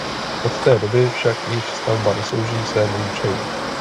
Od té doby však již stavba neslouží svému účelu.